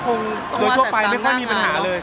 หมายถึงว่าความดังของผมแล้วทำให้เพื่อนมีผลกระทบอย่างนี้หรอค่ะ